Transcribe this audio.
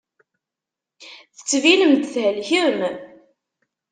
Tettbinem-d thelkem.